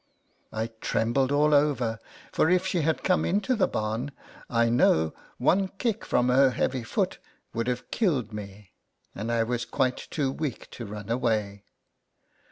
" I trembled all over, for if she had come into the barn I know one kick from her heavy foot would have killed me, and I was quite too weak to run away.